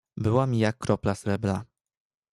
"Była mi jak kropla srebra."